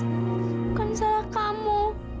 bukan salah kamu